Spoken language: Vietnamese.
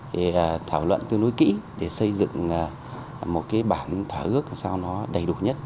để thảo luận tương đối kỹ để xây dựng một bản thỏa ước đầy đủ nhất